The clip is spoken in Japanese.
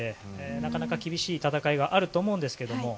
なかなか厳しい戦いがあると思うんですけれども。